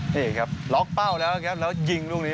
นี่ครับล็อกเป้าแล้วครับแล้วยิงลูกนี้